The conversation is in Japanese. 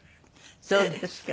そうですか。